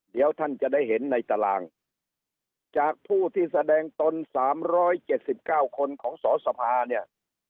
เดี๋ยวท่านจะได้เห็นในตารางจากผู้ที่แสดงตนสามร้อยเจ็ดสิบเก้าคนของสอสอภาเนี่ย